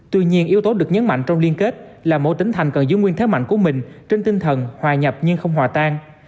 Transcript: tuy nhiên yếu tố được nhấn mạnh trong liên kết là mỗi tỉnh thành cần giữ nguyên thế mạnh của mình trên tinh thần hòa nhập nhưng không hòa tan